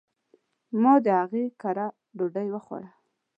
ما د هغي کره ډوډي وخوړه .